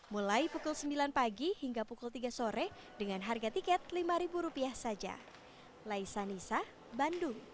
mulai pukul sembilan pagi hingga pukul tiga sore dengan harga tiket rp lima saja